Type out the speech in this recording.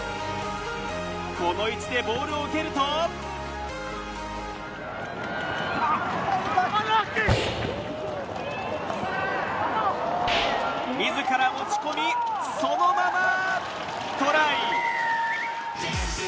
この位置でボールを蹴ると、自ら持ち込み、そのままトライ。